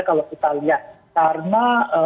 kalau kita lihat karena